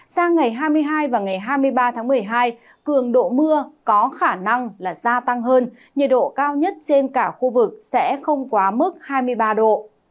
sang ngày hai mươi hai và ngày hai mươi ba tháng một mươi hai cường độ mưa có khả năng gia tăng hơn nhiệt độ cao nhất trên cả khu vực sẽ không quá mức hai mươi ba độ